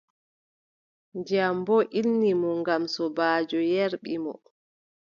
Ndiyam boo ilni mo ngam sobaajo yerɓi mo.